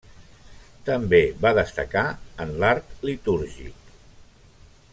També va destacar en l'art litúrgic.